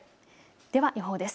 では予報です。